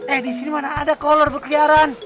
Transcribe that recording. eh disini mana ada kolor berkeliaran